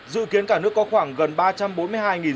dự kiến cả nước có khoảng gần ba trăm bốn mươi hai